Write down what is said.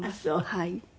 はい。